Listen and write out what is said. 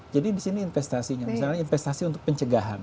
jadi di sini investasinya misalnya investasi untuk pencegahan